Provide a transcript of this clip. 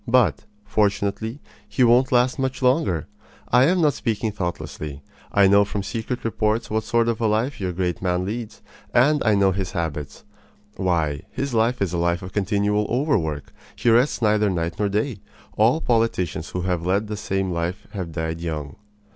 But, fortunately, he won't last much longer. I am not speaking thoughtlessly. I know from secret reports what sort of a life your great man leads, and I know his habits. Why, his life is a life of continual overwork. He rests neither night nor day. All politicians who have led the same life have died young.